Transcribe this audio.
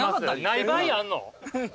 ない場合あんの？